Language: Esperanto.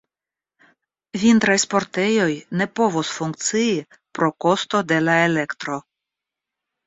Vintraj sportejoj ne povos funkcii pro kosto de la elektro.